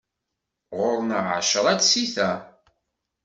Ɣur-neɣ ɛecra tsita.